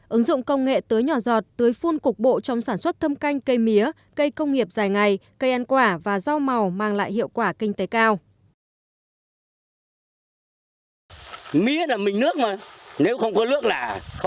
ứng dụng công nghệ tưới nhỏ giọt tưới phun cục bộ trong sản xuất thâm canh cây mía cây công nghiệp dài ngày cây ăn quả và rau màu mang lại hiệu quả kinh tế cao